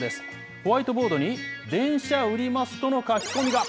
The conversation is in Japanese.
ホワイトボードに電車売ります！との書き込みが。